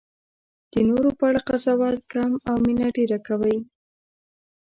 د نورو په اړه قضاوت کم او مینه ډېره کوئ.